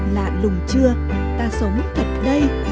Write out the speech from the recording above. lạ lùng chưa ta sống thật đây